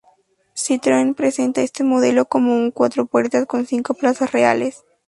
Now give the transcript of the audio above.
Citroën presenta este modelo como un cuatro puertas con cinco plazas reales.